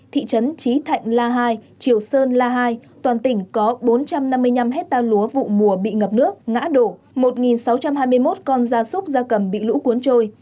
thị trấn trí thạnh la hai triều sơn la hai toàn tỉnh có bốn trăm năm mươi năm hectare lúa vụ mùa bị ngập nước ngã đổ một sáu trăm hai mươi một con da súc da cầm bị lũ cuốn trôi